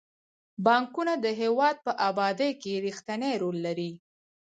بانکونه د هیواد په ابادۍ کې رښتینی رول لري.